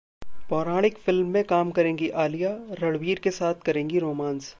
पौराणिक फिल्म में काम करेंगी आलिया, रणबीर के साथ करेंगी रोमांस